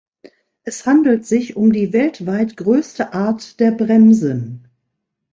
Es handelt sich um die weltweit größte Art der Bremsen.